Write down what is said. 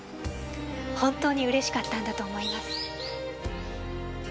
本当にうれしかったんだと思います。